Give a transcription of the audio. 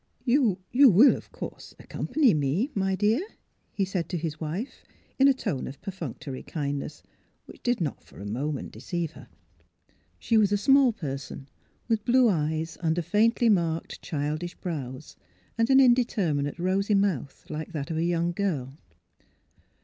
You will — er — of course accompany me, my dear? " he said to his Tvife, in a tone of perfunc tory kindness which did not for a moment deceive her. She was a small person, with blue eyes under faintly marked, childish brows, and an indeter minate, rosy mouth, like that of a young girl.